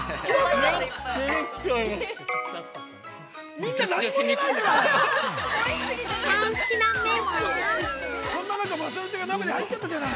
みんな何も言えないじゃない。